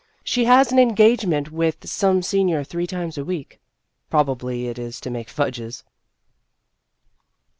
She has an engagement with some senior three times a week. Probably it is to make fudges.